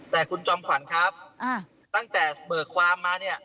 แต่คุณจอมขวัญครับตั้งแต่เบิกความมาเนี่ย